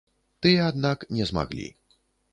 Тыя, аднак не змаглі.